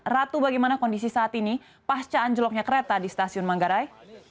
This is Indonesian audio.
ratu bagaimana kondisi saat ini pasca anjloknya kereta di stasiun manggarai